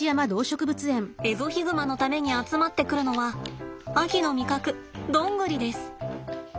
エゾヒグマのために集まってくるのは秋の味覚どんぐりです！